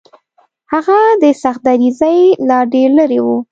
هغه د سختدریځۍ لا ډېر لرې و.